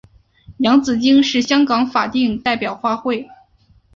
洋紫荆是香港法定代表花卉。